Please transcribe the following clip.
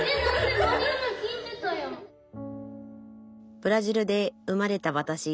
ブラジルで生まれたわたし。